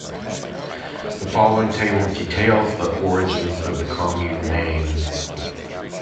The following table details the origins of the commune name.